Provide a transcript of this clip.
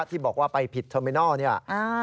ที่บอกว่าไปผิดเทอร์มินอลเนี่ย